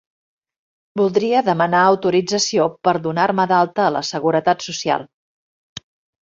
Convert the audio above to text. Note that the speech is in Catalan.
Voldria demanar autorització per donar-me d'alta a la seguretat social.